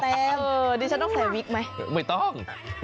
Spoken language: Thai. เพราะที่แกต้องใส่วิคไหมไม่ต้อง